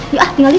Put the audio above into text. yuk ah tinggalin